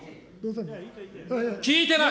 聞いてない。